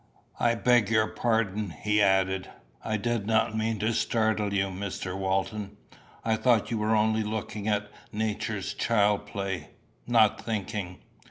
"I beg your pardon," he added; "I did not mean to startle you, Mr. Walton. I thought you were only looking at Nature's childplay not thinking."